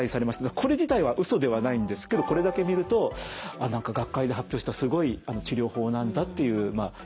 これ自体はうそではないんですけどこれだけ見ると「学会で発表したすごい治療法なんだ」っていう印象操作みたいなものですね。